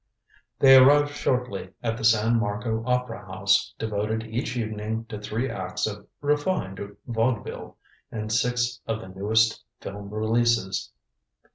They arrived shortly at the San Marco Opera House, devoted each evening to three acts of "refined vaudeville" and six of the newest film releases.